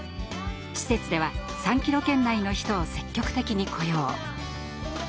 施設では３キロ圏内の人を積極的に雇用。